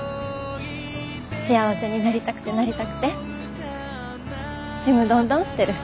幸せになりたくてなりたくてちむどんどんしてる。